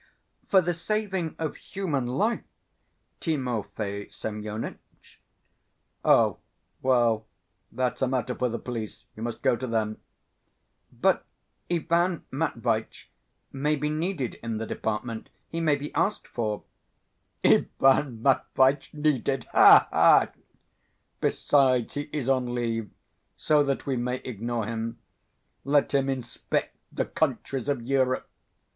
"For the saving of human life, Timofey Semyonitch." "Oh, well, that's a matter for the police. You must go to them." "But Ivan Matveitch may be needed in the department. He may be asked for." "Ivan Matveitch needed? Ha ha! Besides, he is on leave, so that we may ignore him let him inspect the countries of Europe!